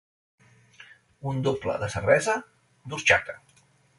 Un doble de cervesa, d'orxata.